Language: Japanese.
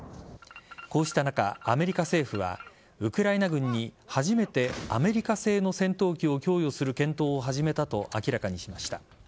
こうした中、アメリカ政府はウクライナ軍に初めてアメリカ製の戦闘機を供与する検討を始めたと明らかにしました。